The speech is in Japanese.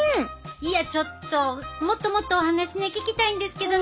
いやちょっともっともっとお話ね聞きたいんですけどね